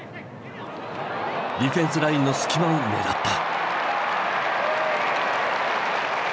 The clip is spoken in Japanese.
ディフェンスラインの隙間を狙った。